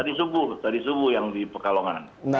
tadi subuh tadi subuh yang di pekalongan